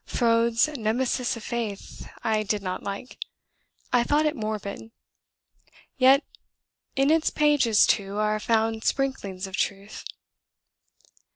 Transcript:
Froude's 'Nemesis of Faith' I did not like; I thought it morbid; yet in its pages, too, are found sprinklings of truth."